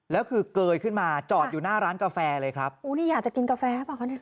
แล้วคือเกยขึ้นมาจอดอยู่หน้าร้านกาแฟเลยครับโอ้นี่อยากจะกินกาแฟป่ะคะเนี่ย